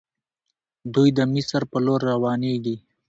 دوی د مصر په لور روانيږي.